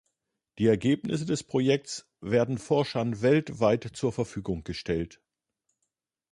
Die Ergebnisse des Projekts werden Forschern weltweit zur Verfügung gestellt.